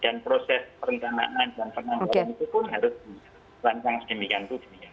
dan proses perencanaan dan penampilan itu pun harus dilancarkan sedemikian